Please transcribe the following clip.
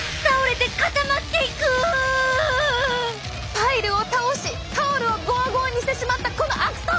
パイルを倒しタオルをゴワゴワにしてしまったこの悪党！